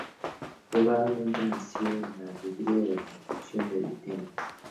Probablemente nació de la alegría de la construcción del templo.